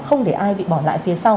không để ai bị bỏ lại phía sau